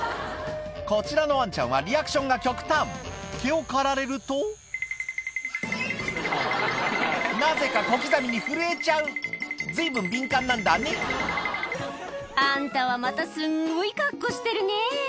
こちらのワンちゃんはリアクションが極端毛を刈られるとなぜか小刻みに震えちゃう随分敏感なんだねあんたはまたすんごい格好してるね